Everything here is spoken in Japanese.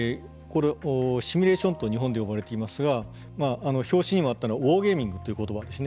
シミュレーションと日本では呼ばれていますが表紙にもあったのはウォーゲーミングという言葉です。